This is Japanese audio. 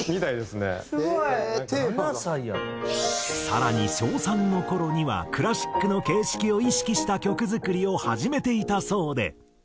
更に小３の頃にはクラシックの形式を意識した曲作りを始めていたそうで。